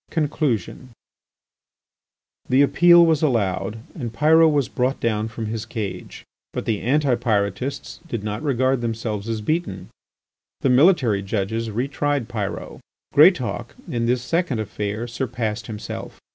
XI. CONCLUSION The appeal was allowed, and Pyrot was brought down from his cage. But the Anti Pyrotists did not regard themselves as beaten. The military judges re tried Pyrot. Greatauk, in this second affair, surpassed himself.